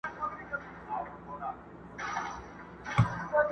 چي د چا پر سر كښېني دوى يې پاچا كي؛